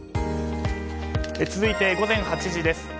続いて午前８時です。